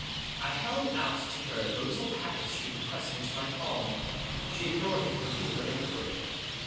I held out to her the little packet she had pressed into my palm. She ignored it ; repeating her inquiry.